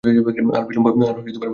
আর বিলম্ব করা উচিত হইবে না।